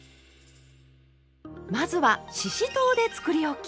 まずはししとうでつくりおき！